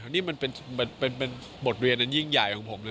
นี่มันเป็นบทเรียนอันยิ่งใหญ่ของผมเลย